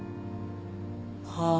はあ？